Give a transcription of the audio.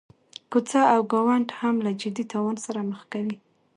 کوڅه او ګاونډ هم له جدي تاوان سره مخ کوي.